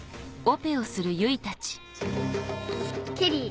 ケリー。